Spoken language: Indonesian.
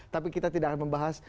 tapi kita tidak akan membahas